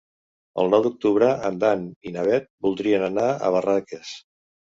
El nou d'octubre en Dan i na Bet voldrien anar a Barraques.